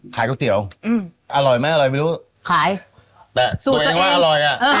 ขายก๋วยเตี๋ยวอร่อยมั้ยอร่อยไม่รู้แต่ตัวเองว่าอร่อย